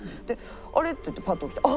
「あれ？」って言ってパッと起きて「あっ！」。